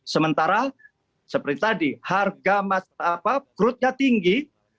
sementara seperti tadi harga apa krutnya tinggi